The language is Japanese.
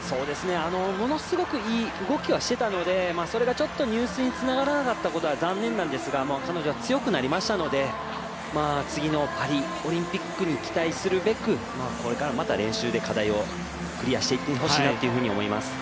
ものすごくいい動きはしていたので、それがちょっと入水につながらなかったことは残念なんですが彼女は強くなりましたので次のパリオリンピックに期待するべくこれからまた練習で課題をクリアしていってほしいなというふうに思います。